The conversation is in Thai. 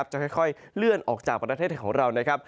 จะค่อยเลื่อนออกจากประเทศไทยของเรานะครับ